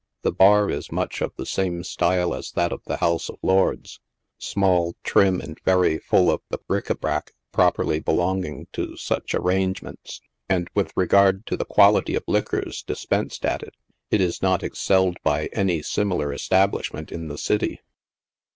The bar is much of the same style as that of the House of Lords — small, trim, and very full of the bric a brac properly belonging to such arrangements ; and, with regard to the quality of liquors dispensed at it, it is not ex celled by any similar establishment in the city.